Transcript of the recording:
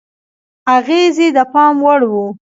اغېز یې د پام وړ و.